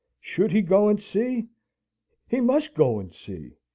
Should he go and see? He must go and see.